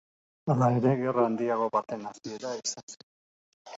Hala ere gerra handiago baten hasiera izan ziren.